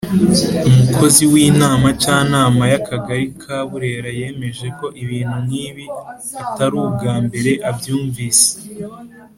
umukozi winama cyanama ya kagari ka burera yemeje ko ibintu nkibi atarubwambere abyumvise.